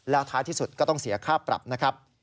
แล้วท้ายที่สุดก็ต้องเสียค่าปรับนะครับ